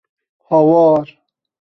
Hawar!